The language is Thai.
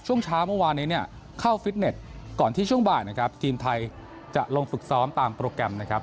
ช่วงเช้าเมื่อวานนี้เนี่ยเข้าฟิตเน็ตก่อนที่ช่วงบ่ายนะครับทีมไทยจะลงฝึกซ้อมตามโปรแกรมนะครับ